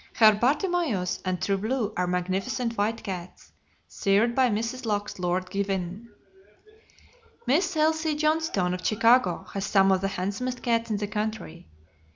Her Bartimaeus and True Blue are magnificent white cats, sired by Mrs. Locke's Lord Gwynne. Miss L.C. Johnstone, of Chicago, has some of the handsomest cats in the country.